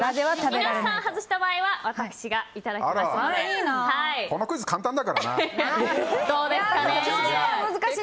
皆さん、外した場合は私がいただきますので。